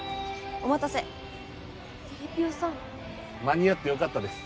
お待たせえりぴよさん間に合ってよかったです